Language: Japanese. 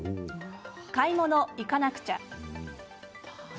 買い物行かなくちゃ。